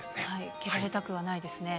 蹴られたくないですね。